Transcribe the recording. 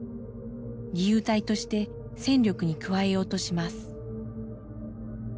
義勇隊として戦力に加えようとします。